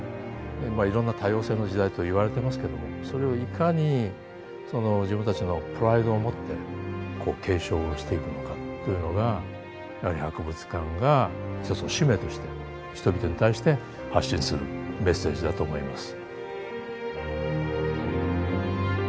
まあいろんな多様性の時代といわれてますけどもそれをいかにその自分たちのプライドをもって継承をしていくのかというのがやはり博物館が一つの使命として人々に対して発信するメッセージだと思います。